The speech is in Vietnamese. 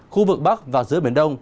khu vực bắc và giữa biển đông